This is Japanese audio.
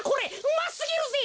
うますぎるぜ。